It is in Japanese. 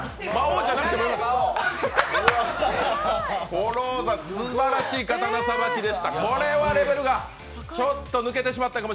ころうざん、すばらしい刀さばきでした。